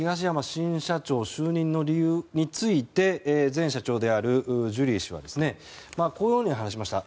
新社長就任の理由について前社長のジュリー氏はこのように話しました。